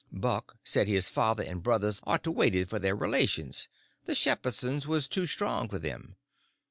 Buck said his father and brothers ought to waited for their relations—the Shepherdsons was too strong for them.